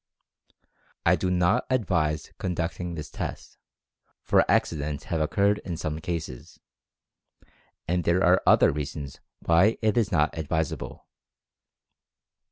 I do not advise con ducting this test, for accidents have occurred in some cases, and there are other reasons why it is not ad visable.